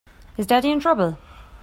Is Daddy in trouble?